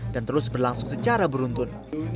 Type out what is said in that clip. dan terus berlangsung secara beruntun